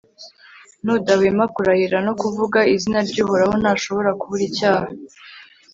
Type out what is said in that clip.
n'udahwema kurahira no kuvuga izina ry'uhoraho ntashobora kubura icyaha